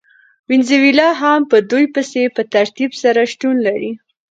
وینزویلا هم په دوی پسې په ترتیب سره شتون لري.